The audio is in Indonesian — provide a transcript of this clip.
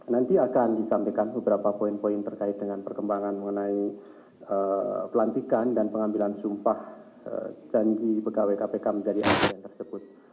nanti akan disampaikan beberapa poin poin terkait dengan perkembangan mengenai pelantikan dan pengambilan sumpah janji pegawai kpk menjadi asn tersebut